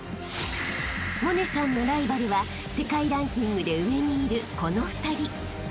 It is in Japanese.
［百音さんのライバルは世界ランキングで上にいるこの２人］